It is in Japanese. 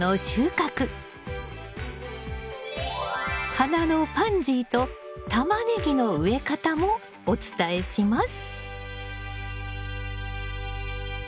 花のパンジーとタマネギの植え方もお伝えします。